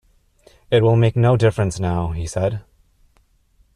"It will make no difference now," he said.